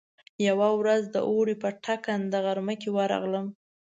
يوه ورځ د اوړي په ټکنده غرمه کې ورغلم.